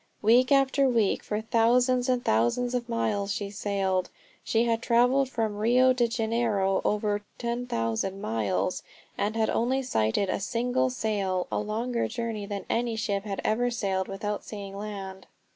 Week after week for thousands and thousands of miles she sailed. She had travelled from Rio de Janiero over 10,000 miles and had only sighted a single sail a longer journey than any ship had ever sailed without seeing land.